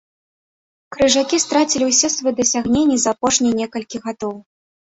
Крыжакі страцілі ўсе свае дасягненні за апошнія некалькі гадоў.